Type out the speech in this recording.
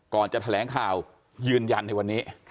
ก่อนจะแถลงข่าวยืนยันในวันนี้